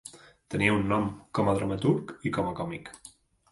Tenia un nom, com a dramaturg i com a còmic.